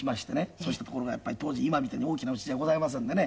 そうしてところがやっぱり当時今みたいに大きな家じゃございませんでね